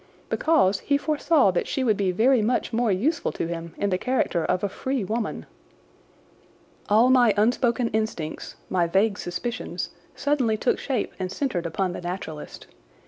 "Because he foresaw that she would be very much more useful to him in the character of a free woman." All my unspoken instincts, my vague suspicions, suddenly took shape and centred upon the naturalist.